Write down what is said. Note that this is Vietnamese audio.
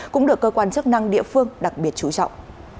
cũng được cơ quan chức năng địa phương đặc biệt chú trọng